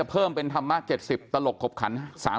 เพิ่มเป็นธรรมะ๗๐ตลกขบขัน